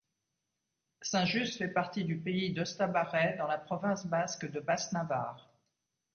Saint-Just fait partie du pays d'Ostabarret, dans la province basque de Basse-Navarre.